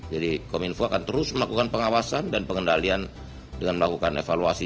jadi kominfo akan terus melakukan pengawasan dan pengendalian dengan melakukan evaluasi